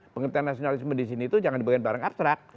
pengetahuan nasionalisme disini itu jangan dib teria merebak